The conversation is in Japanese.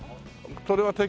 それは敵？